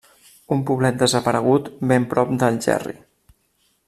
Un poblet desaparegut ben prop d’Algerri.